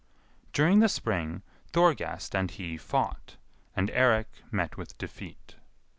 During the spring, Thorgest and he fought, and Eirik met with defeat.